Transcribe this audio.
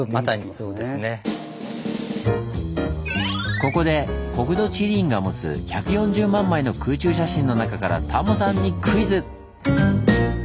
ここで国土地理院が持つ１４０万枚の空中写真の中からタモさんにクイズ！